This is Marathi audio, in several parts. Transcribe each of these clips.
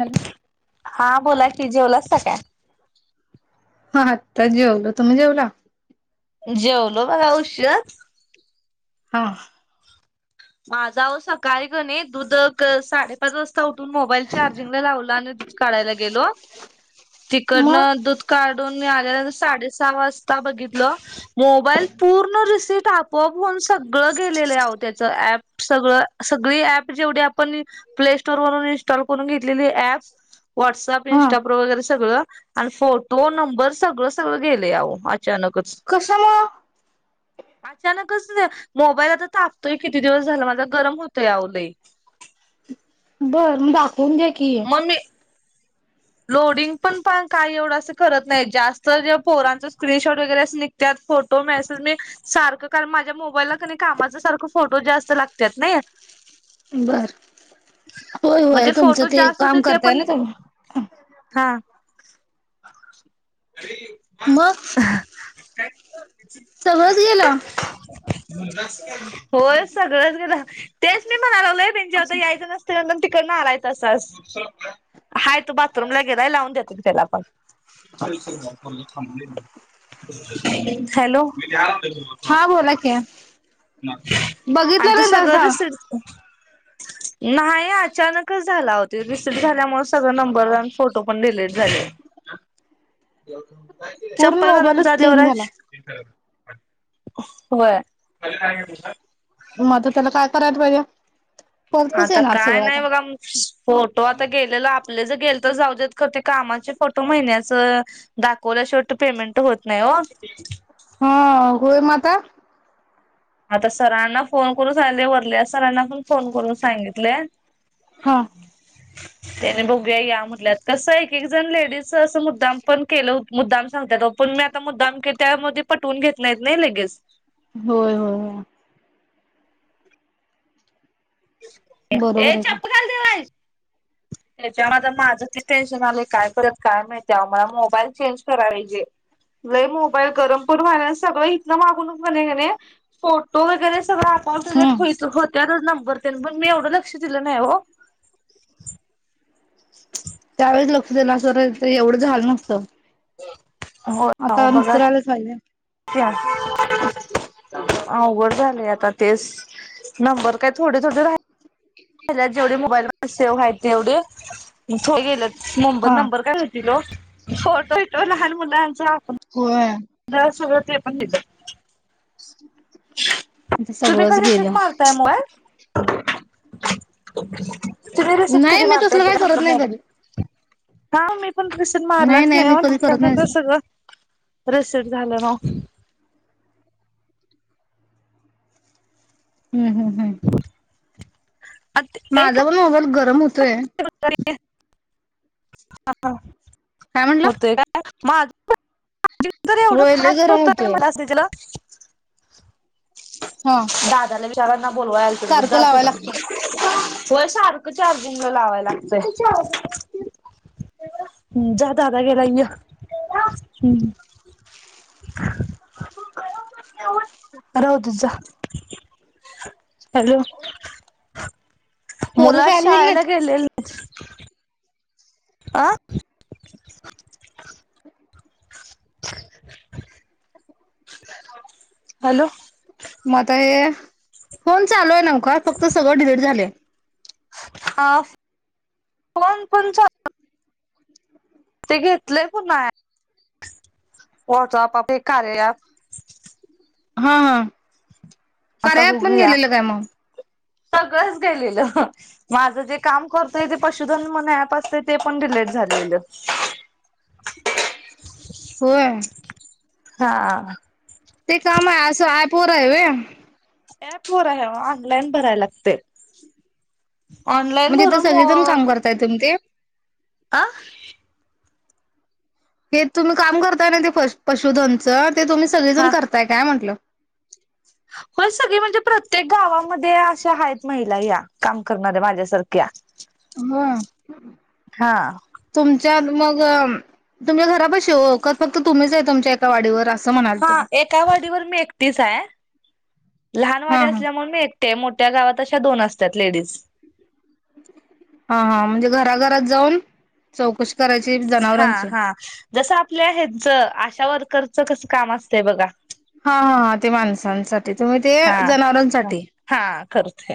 हॅलो हा बोला की [unintelligible] जेवलासा काय? हा आत्ता जेवलो. तुम्ही जेवला? जेवलो, बघा उशीरं. हा. माझा अहो सकाळी की नाय दुध साडेपाच वाजता उठून मोबाईल चार्जिंगला लावल. आणि दूध काढायला गेलो, मग तिकडन दूध काढून मी आल्या नंतर साडे सहा वाजता बघितलो मोबाईल पूर्ण रिसीट आपोआप होऊन, सगळं गेलेलं अहो त्यात ऍप सगळ सगळी ऍप जेवढी आपण प्लेस्टोर वरून इन्स्टॉल करून घेतलेली ऍप व्हॉटसअप हा इंस्टाग्राम वगैरे सगळं आणि फोटो नंबर सगळं सगळ गेलयं. अहो! कश्यामुळं? अचानकचं! मोबाईल आता त तापतोय किती दिवस झाला माझा गरम होतोय, अहो! लय. बरं दाख दाखवून घ्या कि? लोडींग पण काय एवढं असं करत नाही. जास्त असं पोरांचं स्क्रीनशॉट वगैरे असं निघत्यात. फोटो मेसेज मी सारखं काल माझ्या मोबाईलला क कामाच सारख फोटो जास्त लागत्यात नाय. बऱं होय मग होय ते तुमचं फोटो ते जास्त होते काम ते करताय, पण ना तुम्ही हा. मग सगळंच गेलं होय! सगळंच गेलं. तेच मी [unintelligible] तेच म्हणाय लागलोय, बिन जेवता यायचं [unintelligible] तिकडनं आलाय तसाच हाय तो बाथरूमला गेलाय लावून देतो, त्याला [unintelligible] [unintelligible] हॅलो! [unintelligible] हा बोला की [unintelligible] आणि ते बघितलं ना सगळ त्याचा [unintelligible] नाही अचानकच झाला हो, तो रिसिट झाल्यामुळे सगळं नंबर न फोटो पण [unintelligible] झाले. जेव पूर्ण मोबाईलच क्लीन जा. झाला [unintelligible] होय. [unintelligible] म आता त्याला काय करायला पाहिजे? परत कसं आता येणार काय सगळं नाही आता बघा, फोटो आता गेलेला आपले जे गेलतं ते जाऊ देत खरं ते कामाचे फोटो महिन्याचं दाखवल्याशिवट पेमेंट होत नाही, हो गोय माता- [inaudible] आता सरांना फोन करून सांगितलंय वरल्या सरांना पण फोन करून सांगितले. [inaudible] हा [inaudible] त्याने बघूया या म्हटल्यात कसं एक एक जण लेडीज असं मुद्दाम पण केलं मुद्दाम सांगतात ओ पण मी आता मुद्दाम त्यामुळं पटवून घेत नाहीत नाही लगेच, होय-होय. ये बरोबर आहे चप्पल घाल ते देवराज. त्याच्यामध्ये माझं ते टेन्शन आलंय काय करायचं काय माहित आओ मला मोबाईल चेंज कराय पाहिजे. लय मोबाईल गरम पण व्हालाय सगळं. होतंन मागून कणी फोटो वगैरे सगळं परत हम्म डिलिट होत्यातच नंबर तरी पण मी एवढं लक्ष दिलं नाही ओ. दिला असता तर एवढं झाल नसतं. हो. आता निसतरायलाच लागले. अवघड झालेय आता तेच नंबर काय थोडे-थोडे राहि जेवढे मोबाईलमध्ये सेव्ह आहेत तेवढे. थोडे गेलेत. हा नंबर-नंबर काय हो. हॅलो. फोटो येतो लहान मुलांचा. होय. द सगळ ते पण आपण देतात. ह [unintelligible] तुम्ही कधी शट मारताय मोबाईल? [unintelligible] तुम्ही रीसीट नाही कधी मी मारताय तसलं सा काय घरातला करत नाही कधी मोबाइल. का मी? फोन कशन मारलाच नाही मी ओ, कधी तुमच्या करत नाही सारख असं सगळं. रसेट झालं राव. हम्म हम्म हम्म. माझा पण, मोबाईल गर गरम. होतोय आज दुपारी. हा हा. काय म्हटलं होतोय काय? माझ पणं चार्जिंग तर एवढं होय लय फास्ट गरम होत, ते होतोय मला थ्री जी ला. हा दादाला विचाराना बोलवायला त मग सारखं जा तू लावाय लागतय हो सारखं चार्जिंगला लावा लागतंय. ज गेलाय हह दुजा हॅलो. पोरं मुला गेली शाळेला नाहीत गेले [unintelligible] आं. [unintelligible] [unintelligible] हॅलो. म आता ये फोन चालू आहे नमका फक्त सगळं डिलीट झालंय. हा कोण कोण? ते घेतलंय पुन्हा वॉट्सअप हे कार्यप हा हा. करायात पण गेलेलं काय मग सगळच गेलेलं माझं जे काम करतय तेे पशुधन म्हणून ऍप असत ते पण डिलेट झालेलं. होय. हा. ते काम आहे असं ॲपवर हाय व्हय. प वर आहे ऑनलाईन भराय लागते मं तिथं सगळीजण काम करताय तुम्ही ते अं. हे तुम्ही काम करताय ना ते पशु पशुधनच ते तुम्ही सगळेजण करताय काय म्हटलं. [unintelligible] हो सगळी म्हणजे प्रत्येक गावामध्ये अशा आहेत महिला या काम करणाऱ्या माझ्यासारख्या ह हा तुमच्या मग तुम्ही घरापाशी ओ काय फक्त तुम्ही आहे तुमच्या एका वाडीवर असं म्हणाल हा तुम्ही? एका वाडीवर मी एकटीच आहे, लहान हा वाडी हा असल्यामुळे मी एक ते मोठ्या गावात अशा दोन असतात लेडीज हा हा म्हणजे घराघरात जाऊन चौकशी करायची हा जनावरांची. हा जस आपल्या हेंच आशावर वर्कर करचं कसं काम असतं. हा हा. ते माणसांसाठी, तुम्ही ते हा हा जनावरांसाठी हा करते.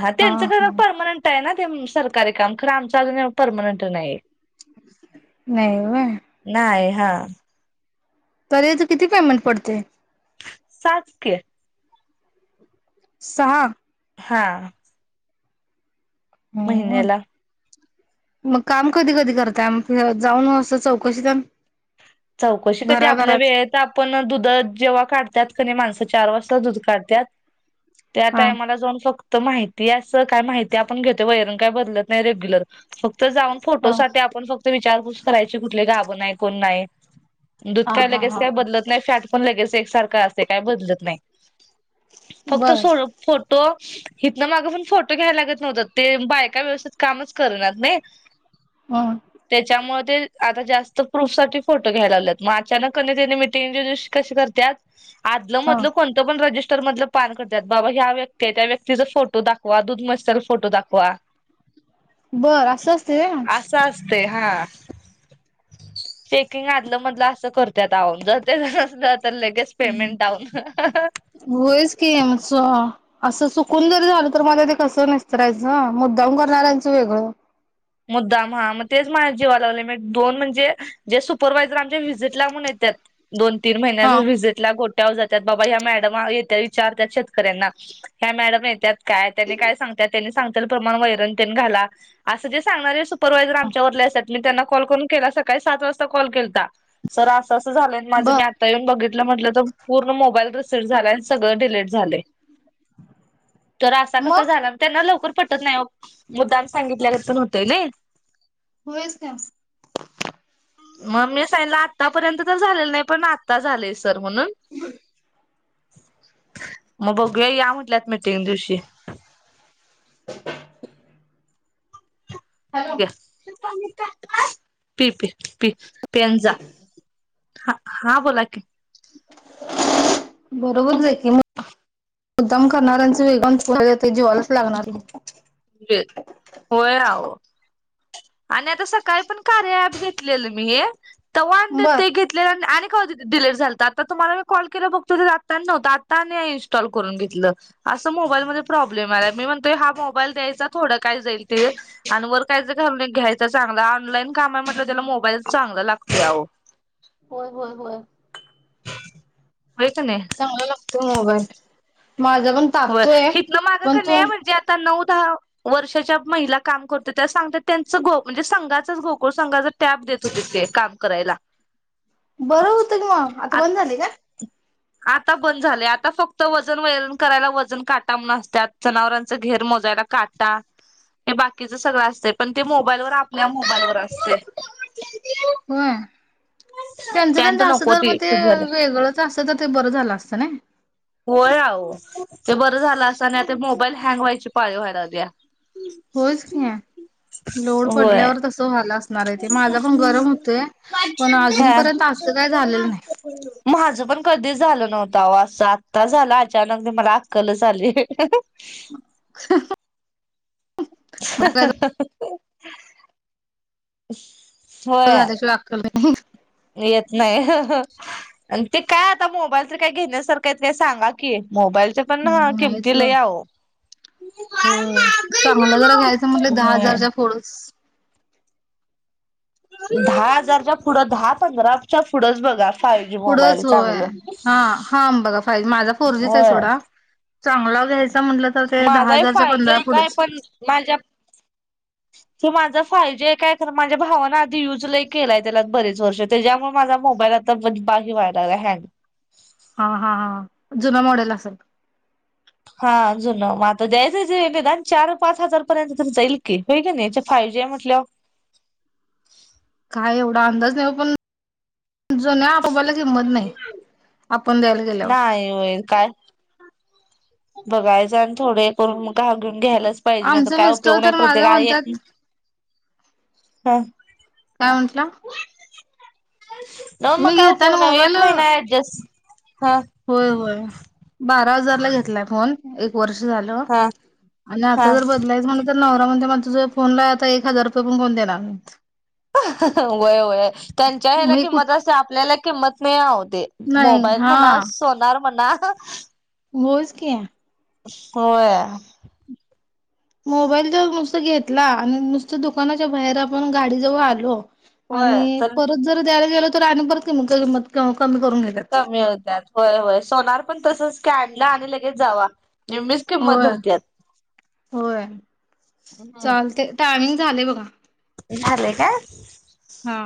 हा त्यांच खरं परर्मनंट आहे ना पण सरकारी काम खरं आमचं अजून परमनंट नाही. नाही व्हय. नाही हा तरी हेज किती पेमेंट पडतेय? सहा की सहा हा हम्म. महिन्याला मग काम कधी कधी करताय, जाऊन असं चौकशी तेन चौकशी कधी आपल्या घराघरात वेळेत आपण दुध जेव्हा काढत्यात कने माणसं चार वाजता दूध काढत्यात. त्या हा. टायमाला जाऊन फक् त माहिती असं काय, माहिती आपण घेतो वैरण काय बदलत नाही रेग्युलर फक् त जाऊन हा. फोटोसाठी आपण फक्त विचारपूस करायची कुठली गाभण आहेत. कोण नाही. दूध हा काय हा लगेच हा काय हा बदत नाही, फॅट पण लगेच एकसारखं असे काय बदलत नाही. फक्त बर सोड फोटो हिथन मागं पण फोटो घ्यायला लागत नव्हतं ते बायका व्यवस्थीत कामच करणात नय. ह त्याच्यामुळं ते आता जास्त प्रू साठी फोटो घ्यायला लागल्यात, म अचानक कनय त्यांनी मिटिंग दिवशी कशी करत्यात आदलं हा मधलं कोणत पण रजिस् तर मधलं पान करतात बाबा ह्या व्यक्ती त्या व्यक्तीचा फोटो दाखवा दूध नसलं फोटो दाखवा बर असं असते असं असतय हा ते चेकींग आधल मधलं असं करत्यात आओ जर ते [unintelligible] तर लगेच पेमेंट डाऊन होयच की असं चुकून जरी झालं तरी, कसं निस्तरायचं मुद्दाम करणाऱ्याचं वेगळं मुद्दाम हा मग तेच माझ्या जीवा लागले म दोन म्हणजे जे सुप परवायझर आमच्या व्हिजिटला म्हणून येत्यात. दोन, तीन महिन्याचा हा व्हिजिटला कोण कॉल जात्यात बाबा ह्या मँडम येत्यात इचारत्यात शेतकऱ्यांना, ह्या मॅडम येत्यात काय त्यांनी काय सांगत्या त्यांनी सांगतात प्रमाण वैरण तेन घाला अस जे सांगणारे सुप परवायजर आमच्यावर लय सट मी त्यांना कॉल करून केला. सकाळी सात वाजता कॉल केलता. सर आस आस झालंय आन माझं. बर मी आता येऊन बघितलं म्हटलं तर, पूर्ण मोबाईल रिस रिसीट झालाय अन् सगळं डिलीट झालंय. तर असा कसा मग झाला? त्यांना लवकर पटत नाही [inaudible] मुद्दाम सांगितल्यागत. [unintelligible] होतयनयी, [inaudible] होयच तर, [inaudible] मग मी सांगितलं आतापर्यंत तर झालेलं नाही पण आता झालय सर म्हणून. [inaudible] मग बघूया या म्हटल्यात मीटिंग दिवशी, [inaudible] ठीक आहे. [inaudible] [unintelligible] पी पी पी पी आण जा [inaudible] हा -हा बोला की, [inaudible] [inaudible] बरोबर आहे की [inaudible] मुद्दाम करणाऱ्यांच वेगळं ते जिवालाच लागणार, होय आहो [inaudible] [inaudible] आणि आता सकाळी पण कार्या अँप घेतलेलं मी हे, [inaudible] तवां बर ते घेतलेल आणि [unintelligible] डिलीट झालतं आता तुम्हाला मी कॉल केल्याव बघतोय तर आता आणि नव्हतं आता आणि इन्स्टॉल करून घेतलं असं मोबाईलमध्ये प्रॉब्लेम आल्यात, मी म्हणतोय हा मोबाईल द्यायचा थोडं काय जाईल ते आणि वर काय घ घ्यायच चांगला ऑनलाईन काम म्हटलं त्याला मोबाईल चांगला लागतोय आओ, [inaudible] होय होय होय [inaudible] होय का नाही चांगला लागतोय मोबाईल, [inaudible] माझा पण होय तापतोय हितन [inaudible] मागं पण का तू, नाही [inaudible] म्हणजे आता नऊ दहा वर्षाच्या महिला काम करत्या त्या सांगतात. त्या गोकुळ म्हणजे संघाचाच गोकुळ संघाच टॅब देत होतीत ते. काम करायला. बरं होतं कि मग आता बंद झालय काय. आता बंद झाले. आता फक्त वजन वैरण. करायला वजन काटा म्हणुन असत्यात. जनावरांच घेर मोजायला काटा. हे बाकीच सगळं असते. पण ते मोबाईल वर आपल्या मोबाईल वर असतय. होय. पॅन्ट त्यांचं-त्यांचं असं नको तर मग ते फिट झाल्या वेगळंच असतं तर ते बरं झालं असतं नई. होय आओ ते बरं झालं असतं. आता मोबाईल हँग व्हायची पाळी व्हायलागलीया. होयच की लोड होय पडल्यावर तसं झालं असणार. आहे ते माझा पण गरम होतोय. पण अजून हा पर्यंत असं काय झालेलं नाही. सव्वा-सात आता झाल अचानक ते मला आक्कलच आली. हं हंह. हं हं हंंहह. ह [unintelligible] तसं झाल्याशिवाय आक्कल येत नाही येत नाही हं हं, ते काय आता मोबाईल काय घेण्यासारख काय सांगा की मोबाईल ते पण नाहीच किंमती बा लय आवो होय चांगला जरा घ्यायचं म्हटलं दहा होय हजारच्या पुढंच दहा हजारचा कुठं दहा, पंधरा च्या पुढंच बघ पुढंच होय हा हाम् बघा फाय माझा फोरजीच आहे सोडा चांगला घ्यायचं माझा हा फायजी आहे काय पण माझ्या हे माझा फायजी काय खरं माझ्या भावानं आधी युज लय केलाय त्याला बरेच वर्ष त्याच्यामुळे माझा मोबाईल आता बंद व्हाय लागलाय हे हँग हा हा हा जुना मॉडेल असलं हा जुना मग आता द्यायचाच निदान चार, पाच हजार पर्यंत तरी जाईल की होय कनी यांच्या फायजी म्हटल्यावर काय एवढा अंदाज नाही ओ पण जुना मोबाईलला किंमत नाही आप काय होईल काय बघायचं आणि थोडं हे करून घालून घ्यायलाच पाहिजे नाहीतर आमचे काय मिस्टर उपयोग नाही तर प्रत्येक माझा म्हणतात काय तटला न मग काय उपयोग नाही एक मोबाईल महिना ऍडजस्ट हा होय होय बारा हजार ला घेतलाय फोन एक वर्ष आ हा ब हा म्ह नरा म्हण मझ तुझ फोनला आता एक हजार रुपये पण कोण देणार वय वय त्यांच्या ह्याला मी कुठ किंमत असते आपल्याला किंमत स्नेआउट ते नाही मोबाईल हा म्हणा सोनार म्हणा होच क होय म मोबाईल ज नु घेतला आणि नुसतं दुकानाच्या बाहेर आपण गाडी जवळ आलो आणि होय तर परत जर द्यायला गेला रा मग म कमी होत्याात. होय-होय सोनार पण तसच आणलं आणि लगेच जावा. निम्मीच किंमत धरत्यात. होय-होय हम्म चालतय टामिंग. झालय बघा. झालय काय. हा.